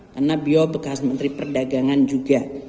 karena bio bekas menteri perdagangan juga